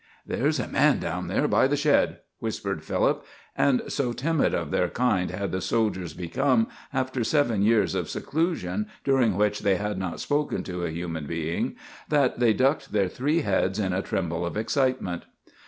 "There's a man down there by the shed," whispered Philip; and so timid of their kind had the soldiers become after seven years of seclusion, during which they had not spoken to a human being, that they ducked their three heads in a tremble of excitement.